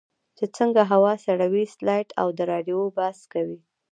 چې څنګه هوا سړوي سټلایټ او د رادیو بحث کوي.